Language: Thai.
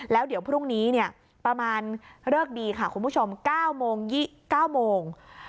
แล้วเดี๋ยวพรุ่งนี้ประมาณเลิกดีค่ะคุณผู้ชม๙โมง